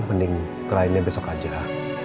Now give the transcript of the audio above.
mending kelainnya besok aja